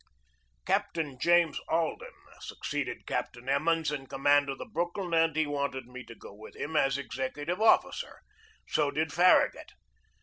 Captain James Alden succeeded Captain Em mons in command of the Brooklyn and he wanted me to go with him as executive officer; so did Far ragut.